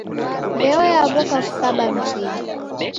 Mbeo yaw'oka kukaba mzinyi